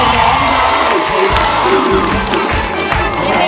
ร้อย